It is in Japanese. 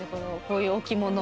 こういう置物。